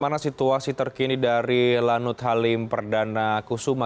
bagaimana situasi terkini dari lanut halim perdana kusuma